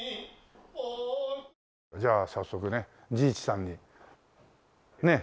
じゃあ早速ね慈一さんにねえ